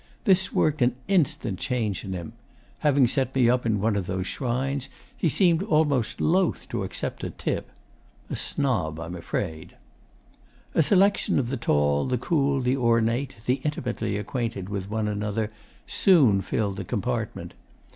This worked an instant change in him. Having set me in one of those shrines, he seemed almost loth to accept a tip. A snob, I am afraid. 'A selection of the tall, the cool, the ornate, the intimately acquainted with one another, soon filled the compartment.